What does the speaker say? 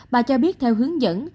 bà cho biết theo hướng dẫn